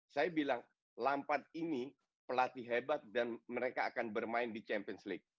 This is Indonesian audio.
saya bilang lampard ini pelatih hebat dan mereka akan bermain di champions league